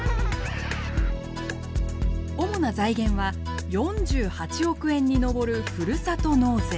主な財源は４８億円に上るふるさと納税。